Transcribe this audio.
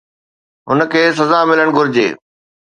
هن کي سزا ملڻ گهرجي.